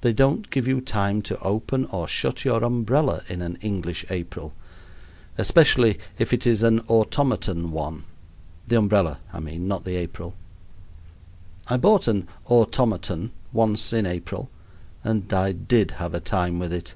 They don't give you time to open or shut your umbrella in an English April, especially if it is an "automaton" one the umbrella, I mean, not the April. I bought an "automaton" once in April, and I did have a time with it!